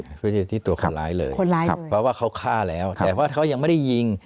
ตัวเจ้าหน้าที่ตัวคนร้ายเลยครับคำว่าเขาฆ่าแล้วแต่ว่าเขายังไม่ได้ยิง